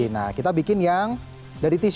nah kita bikin yang dari tisu